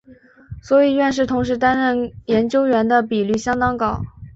所以院士同时担任研究员的比率相当高。